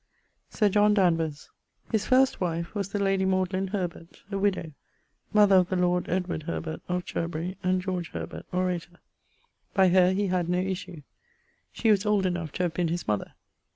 1655). Sir John Danvers: His first wife was the lady Herbert, a widowe, mother of the lord Edward Herbert of Cherbery and George Herbert, orator. By her he had no issue; she was old enough to have been his mother.